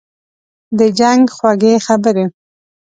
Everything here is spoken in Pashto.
« د جنګ خوږې خبري